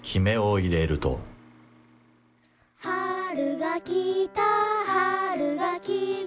「春が来た春が来た」